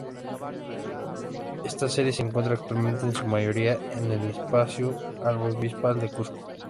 Esta serie se encuentra actualmente en su mayoría en el Palacio Arzobispal de Cuzco.